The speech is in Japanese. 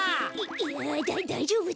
いやだだいじょうぶだよ。